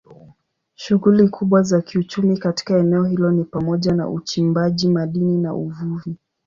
Shughuli kubwa za kiuchumi katika eneo hilo ni pamoja na uchimbaji madini na uvuvi.